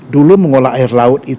dulu mengolah air laut itu